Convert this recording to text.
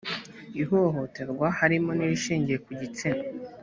ihohoterwa harimo n’irishingiye ku gitsina